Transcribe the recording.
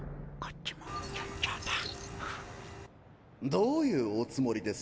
どういうおつもりですか？